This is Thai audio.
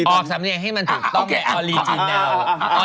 ออกสำเนียงให้มันถูกต้องแกะออรีจีนแนว